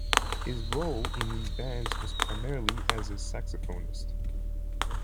His role in these bands was primarily as a saxophonist.